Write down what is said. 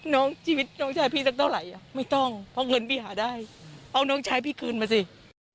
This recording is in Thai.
น้องชีวิตน้องชายพี่สักเท่าไหร่อ่ะไม่ต้องเพราะเงินพี่หาได้เอาน้องชายพี่คืนมาสิ